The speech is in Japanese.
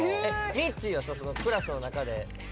みっちーはそのクラスの中で強い方？